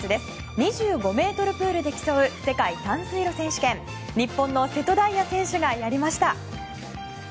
２５ｍプールで競う世界短水路選手権日本の瀬戸大也選手がやりました。